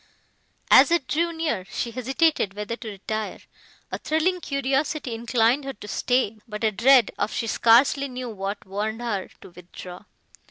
As it drew near, she hesitated whether to retire; a thrilling curiosity inclined her to stay, but a dread of she scarcely knew what warned her to withdraw.